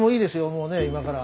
もうね今から。